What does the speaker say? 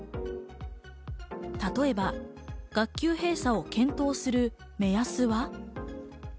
例えば学級閉鎖を検討する目安は。